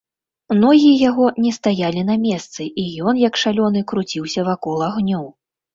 Ногі яго не стаялі на месцы, і ён, як шалёны, круціўся вакол агню.